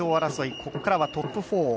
ここからはトップ４。